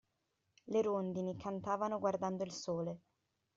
Le rondini cantavano guardando il sole.